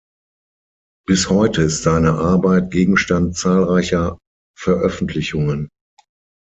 Bis heute ist seine Arbeit Gegenstand zahlreicher Veröffentlichungen.